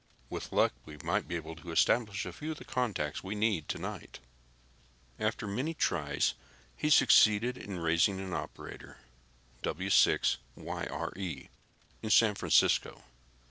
"With luck, we may be able to establish a few of the contacts we need, tonight." After many tries, he succeeded in raising an operator, W6YRE, in San Francisco.